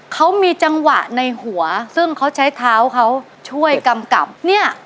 เขามีจังหวะในหัวซึ่งเขาใช้เท้าเขาช่วยกำกับเนี่ย